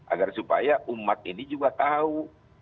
agar supaya umat ini juga tahu